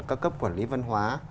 các cấp quản lý văn hóa